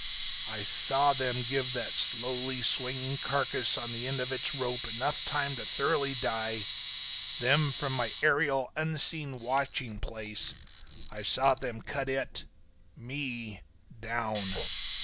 "I saw them give that slowly swinging carcass on the end of its rope time enough to thoroughly die, then, from my aerial, unseen watching place, I saw them cut it—me—down.